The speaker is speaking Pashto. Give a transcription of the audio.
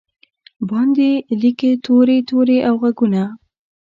باندې لیکې توري، توري او ږغونه